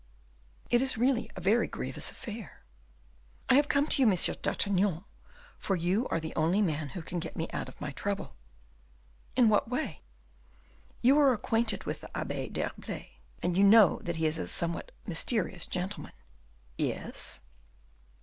"It is really a very grievous affair." "I have come to you, M. d'Artagnan, for you are the only man who can get me out of my trouble." "In what way?" "You are acquainted with the Abbe d'Herblay, and you know that he is a somewhat mysterious gentleman." "Yes."